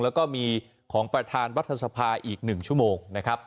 แล้วก็มีของประธานวัทธศภาอีก๑ชั่วโมง